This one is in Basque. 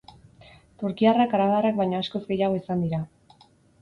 Turkiarrak arabarrak baino askoz gehiago izan dira.